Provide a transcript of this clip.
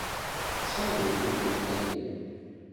Żeby tu był Emil.